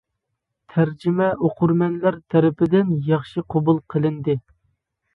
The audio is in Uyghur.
تەرجىمە ئوقۇرمەنلەر تەرىپىدىن ياخشى قوبۇل قىلىندى.